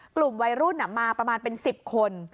กลุ่มวัยรุ่นมาประมาณเป็น๑๐คน